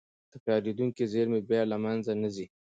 تکرارېدونکې زېرمې بیا له منځه نه ځي.